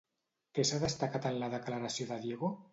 Què s'ha destacat en la declaració de Diego?